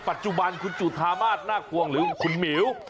ปัจจุบันคุณจุธามาสนาควงหรือคุณหมิว